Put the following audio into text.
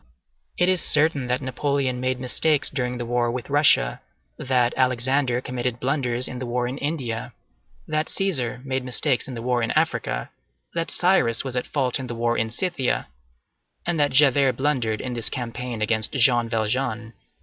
It is certain that Napoleon made mistakes during the war with Russia, that Alexander committed blunders in the war in India, that Cæsar made mistakes in the war in Africa, that Cyrus was at fault in the war in Scythia, and that Javert blundered in this campaign against Jean Valjean.